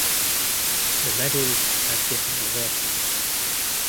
The medals has different reverses.